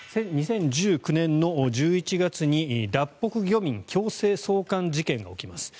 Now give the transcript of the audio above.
２０１９年の１１月に脱北漁民強制送還事件が起きます。